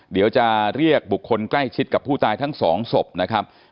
เดี๋ยวจะเรียกบุคคลใกล้ชิดกับผู้ตายทั้งสองศพนะครับ